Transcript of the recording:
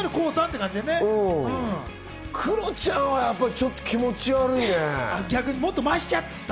クロちゃんはちょっと気持ち悪いね。